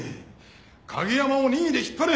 景山を任意で引っ張れ！